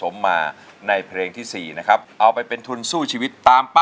ว่าจะขอ๖๐๐๐๐บาทไปเป็นทุนสู้ชีวิต